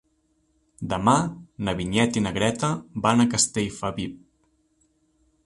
Demà na Vinyet i na Greta van a Castellfabib.